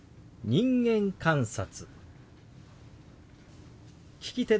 「人間観察」。